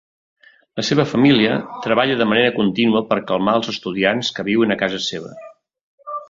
La seva família treballa de manera contínua per calmar els estudiants que viuen a casa seva.